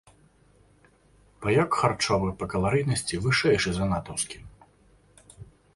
Паёк харчовы па каларыйнасці вышэйшы за натаўскі.